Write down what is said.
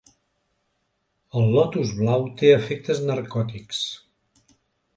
El lotus blau té efectes narcòtics.